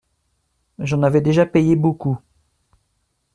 J'en avais déjà payé beaucoup.